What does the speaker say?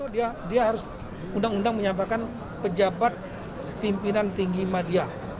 dia harus undang undang menyampaikan pejabat pemimpinan tinggi media